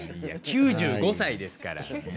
いや９５歳ですから。